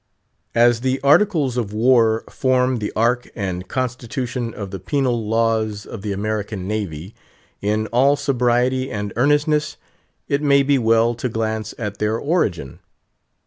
As the Articles of War form the ark and constitution of the penal laws of the American Navy, in all sobriety and earnestness it may be well to glance at their origin.